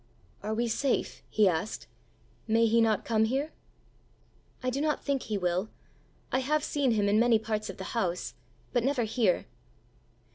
"Are we safe?" he asked. "May he not come here?" "I do not think he will. I have seen him in many parts of the house, but never here."